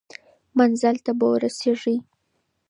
منزل ته به ورسیږئ.